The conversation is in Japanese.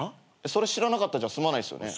それ知らなかったじゃ済まないですよね。